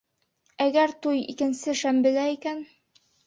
Әгәр туй икенсе шәмбелә икән...